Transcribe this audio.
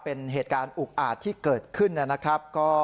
เป็นเหตุการณ์อุกอาจที่เกิดขึ้นนะครับ